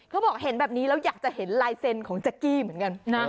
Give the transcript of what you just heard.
เขาบอกเห็นแบบนี้แล้วอยากจะเห็นลายเซ็นต์ของแจ๊กกี้เหมือนกันนะ